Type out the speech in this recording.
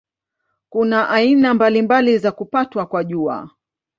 Kuna aina mbalimbali za kupatwa kwa Jua.